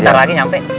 bentar lagi sampai